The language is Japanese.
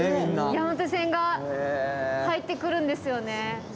山手線が入ってくるんですよね。